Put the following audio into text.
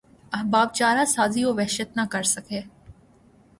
احباب چارہ سازیٴ وحشت نہ کرسکے